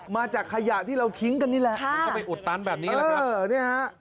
มาจากขยะที่เราทิ้งกันนี่แหละมันก็ไปอุดตันแบบนี้แหละครับ